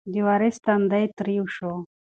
د وارث تندی تریو شو.